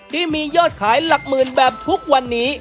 ที่มียอดขายหลักหมื่นแบบทุกวันนี้